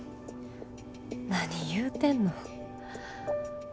何言うてんの。